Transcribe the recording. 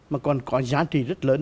mà còn có giá trị rất lớn